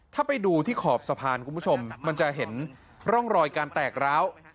ถ้าไปดูที่ขอบสะพานคุณผู้ชมมันจะเห็นร่องรอยการแตกร้าว